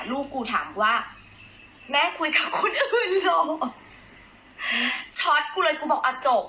ลูกกูถามว่าแม่คุยกับคนอื่นเหรอช็อตกูเลยกูบอกอ่ะจบ